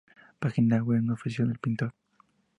Página web no oficial del pintor